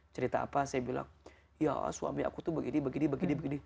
cerita apa saya bilang ya suami aku tuh begini begini begini